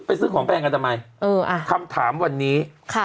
ไปซื้อของแพงกันทำไมคำถามวันนี้